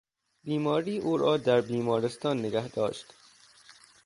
بیماری او را در بیمارستان نگهداشت.